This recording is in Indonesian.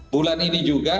bulan ini juga